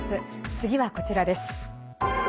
次はこちらです。